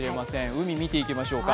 海、見ていきましょうか。